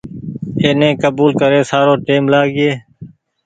اين ڪبول ڪري سارو ٽيم لآگيئي۔